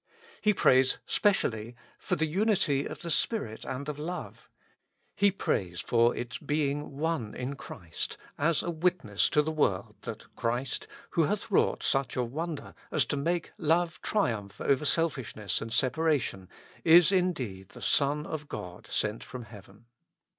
He prays specially for the unity of the Spirit and of love. He prays for its being one in Christ, as a witness to the world that Christ, who hath wrought such a wonder as to make love triumph over selfishness and separation, is in deed the Son of God sent from heaven.